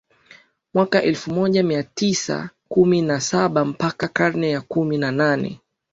mwaka elfu moja mia tisa kumi na sabaMpaka karne ya kumi na nane